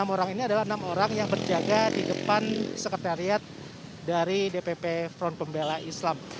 enam orang ini adalah enam orang yang berjaga di depan sekretariat dari dpp front pembela islam